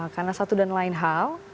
karena satu dan lain hal